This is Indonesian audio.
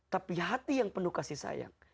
tapi hati yang penuh kasih sayang